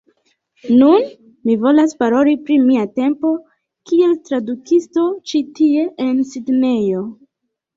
Nun, mi volas paroli pri mia tempo kiel tradukisto ĉi tie en Sidnejo.